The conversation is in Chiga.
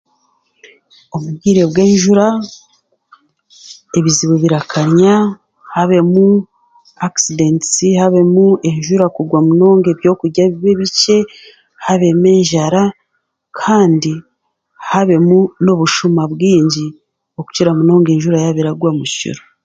Omubwire bw'enjura ebizibu birakanya, habemu akisidentisi, habemu enjura kugwa munonga ebyokurya bibe bikye, habemu enjara, kandi habemu n'obushuma bwingi okukira munonga enjura yaaba eragwa mu kiro.